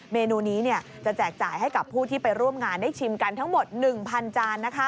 เมนูนี้จะแจกจ่ายให้กับผู้ที่ไปร่วมงานได้ชิมกันทั้งหมด๑๐๐จาน